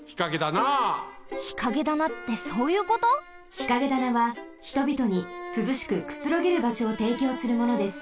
日陰棚はひとびとにすずしくくつろげるばしょをていきょうするものです。